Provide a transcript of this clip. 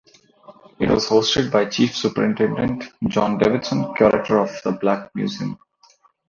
It was hosted by Chief Superintendent John Davidson, curator of the Black Museum.